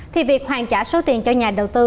thì việc hoàn trả số tiền cho nhà đầu tư